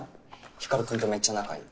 光君とめっちゃ仲いい。